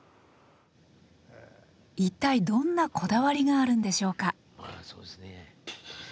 一体どんなこだわりがあるんでしょうか？